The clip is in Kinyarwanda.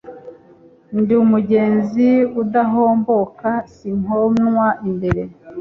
Ndi umugenzi udahomboka sinkomwa imbere.